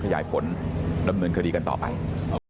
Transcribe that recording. กระดิ่งเสียงเรียกว่าเด็กน้อยจุดประดิ่ง